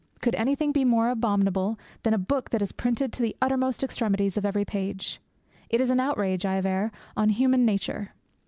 Could anything be more abominable than a book that is printed to the uttermost extremities of every page? It is an outrage, I aver, on human nature.